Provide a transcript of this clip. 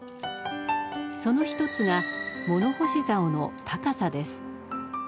その一つが物干し竿の高さです。